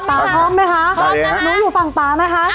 พร้อมนะคะนุ้งอยู่ฝั่งป่าไหมคะ